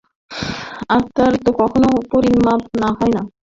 আত্মার তো কখনও পরিণাম হয় না।